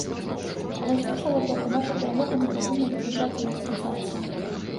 А вось з іншага боку, наша перамога не павінна вызначацца як сенсацыя.